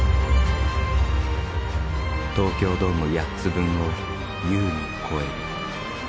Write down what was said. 東京ドーム８つ分を優に超える。